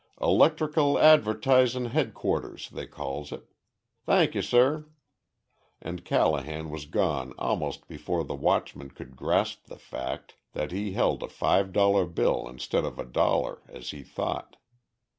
Electrical Advertisin' Headquarters they calls it. Thank you, suh," and Callahan was gone almost before the watchman could grasp the fact that he held a five dollar bill instead of a dollar, as he thought.